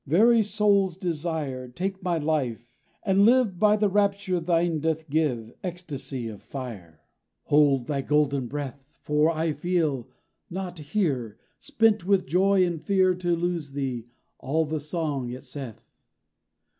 Very Soul's Desire, Take my life; and live By the rapture thine doth give, ecstasy of fire! Hold thy golden breath! For I feel, not hear Spent with joy and fear to lose thee, all the song it saith.